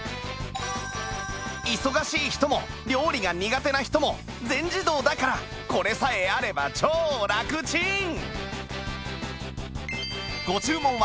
忙しい人も料理が苦手な人も全自動だからこれさえあれば超ラクチン！